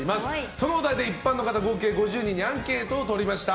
そのお題で一般の方合計５０人にアンケートをとりました。